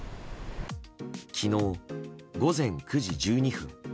昨日、午前９時１２分。